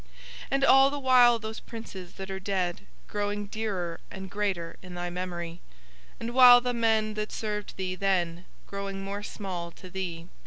And all the while those princes that are dead growing dearer and greater in thy memory, and all the while the men that served thee then growing more small to thee.